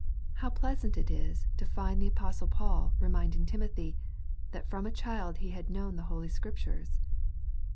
How pleasant it is to find the Apostle Paul reminding Timothy, that fi om a child he had known the Holy Scriptures.